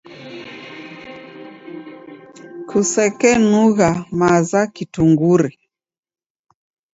Kusekenugha maza kitungure.